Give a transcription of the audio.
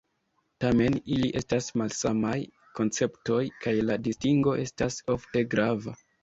Tamen, ili estas malsamaj konceptoj, kaj la distingo estas ofte grava.